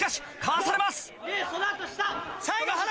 その後下！